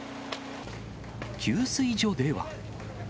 給水所では。